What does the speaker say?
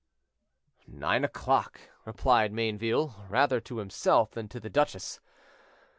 "Nine o'clock!" replied Mayneville, rather to himself than to the duchess.